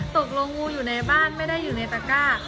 ตกลงงูอยู่ในบ้านไม่ได้อยู่ในตะก้า